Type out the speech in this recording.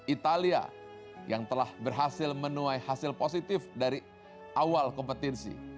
italia yang telah berhasil menuai hasil positif dari awal kompetisi